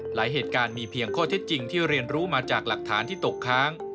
หลายเหตุการณ์มีเพียงข้อเท็จจริงที่เรียนรู้มาจากหลักฐานที่ตกค้าง